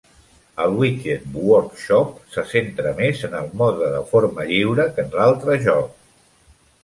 El "Widget Workshop" se centra més en el mode de forma lliure que en l'altre joc.